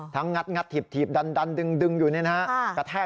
ทั้งงัดถีบดันดึงอยู่เนี่ยนะฮะ